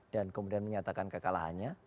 dan kemudian menyatakan kekalahannya